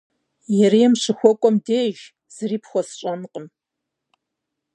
Ерейм щыхуэкӏуэм деж, зыри пхуэсщӏэнкъым.